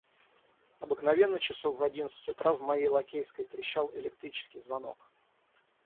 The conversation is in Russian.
Обыкновенно часов в одиннадцать утра в моей лакейской трещал электрический звонок.